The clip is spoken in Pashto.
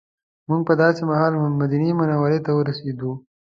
موږ په داسې مهال مدینې منورې ته ورسېدو.